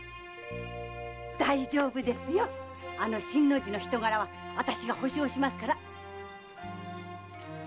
大丈夫ですよあの新の字の人柄は私が保証しますから。